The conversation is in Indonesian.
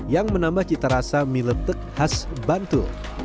yang menambah cita rasa mie letek khas bantu